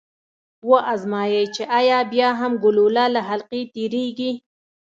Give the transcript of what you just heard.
و ازمايئ چې ایا بیا هم ګلوله له حلقې تیریږي؟